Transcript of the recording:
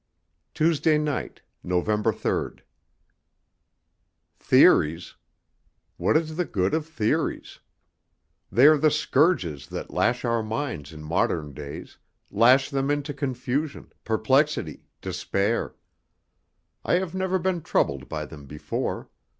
Tuesday Night, November 3rd. Theories! What is the good of theories? They are the scourges that lash our minds in modern days, lash them into confusion, perplexity, despair. I have never been troubled by them before.